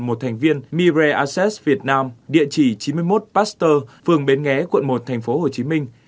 một thành viên mibre aces việt nam địa chỉ chín mươi một pasteur phường bến nghé quận một thành phố hồ chí minh